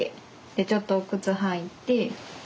ちょっとお靴履いて。